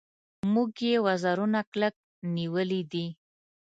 موږ یې وزرونه کلک نیولي دي.